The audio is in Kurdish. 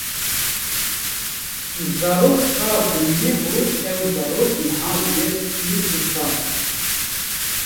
Zarok sax dimîne û ew zarok niha bûye sî û du salî